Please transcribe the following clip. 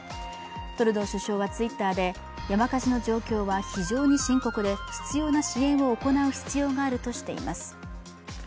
トルドー首相はＴｗｉｔｔｅｒで山火事の状況は非常に深刻で、必要な支援を行う必要があるとしています。